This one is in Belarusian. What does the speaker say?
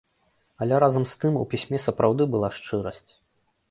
Але разам з тым у пісьме сапраўды была шчырасць.